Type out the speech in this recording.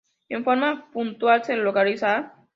En forma puntual se localiza a:.